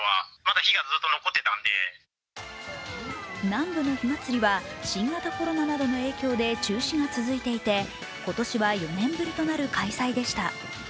南部の火祭りは新型コロナなどの影響で中止が続いていて今年は４年ぶりとなる開催でした。